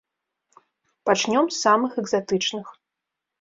Пачнём з самых экзатычных.